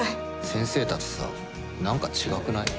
先生たちさ、何か違くない？